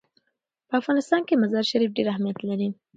په افغانستان کې مزارشریف ډېر اهمیت لري.